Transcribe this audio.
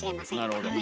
なるほど。